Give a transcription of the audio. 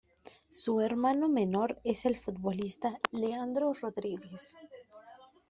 Su hermano menor es el futbolista Leandro Rodríguez.